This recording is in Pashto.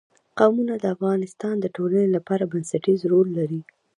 قومونه د افغانستان د ټولنې لپاره بنسټيز رول لري.